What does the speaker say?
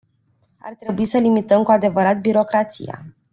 Ar trebui să limităm cu adevărat birocrația.